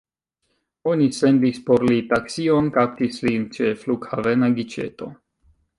Oni sendis por li taksion, kaptis lin ĉe flughavena giĉeto.